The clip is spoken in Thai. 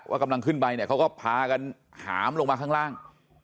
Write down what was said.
กำลังขึ้นไปเนี่ยเขาก็พากันหามลงมาข้างล่าง